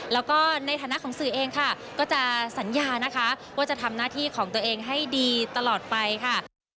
แล้วก็ในฐานะของสื่อเองค่ะก็จะสัญญานะคะว่าจะทำหน้าที่ของตัวเองให้ดีตลอดไปค่ะ